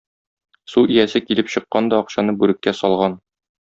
Су иясе килеп чыккан да акчаны бүреккә салган.